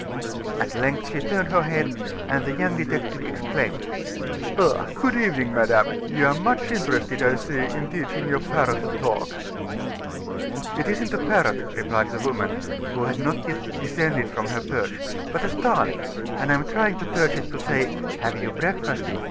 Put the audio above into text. At length she turned her head, and the young detective exclaimed: "Ah! good evening, madame; you are much interested, I see, in teaching your parrot to talk." "It isn't a parrot," replied the woman, who had not yet descended from her perch; "but a starling, and I am trying to teach it to say 'Have you breakfasted?